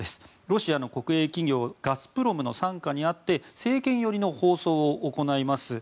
ロシアの国営企業ガスプロムの傘下にあって政権寄りの放送を行います